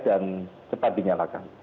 dan cepat dinyalakan